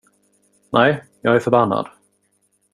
Nej, jag är förbannad.